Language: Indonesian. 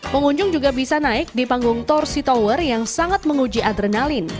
pengunjung juga bisa naik di panggung torsi tower yang sangat menguji adrenalin